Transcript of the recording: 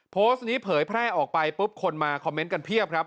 โพสต์นี้เผยแพร่ออกไปปุ๊บคนมาคอมเมนต์กันเพียบครับ